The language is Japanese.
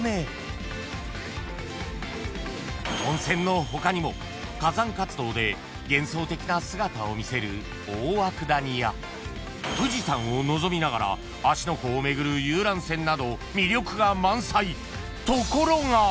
［温泉の他にも火山活動で幻想的な姿を見せる大涌谷や富士山を望みながら芦ノ湖を巡る遊覧船など魅力が満載］